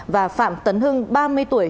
và phạm tấn hưng ba mươi tuổi